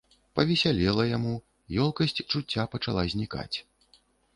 Павесялела яму, ёлкасць чуцця пачала знікаць.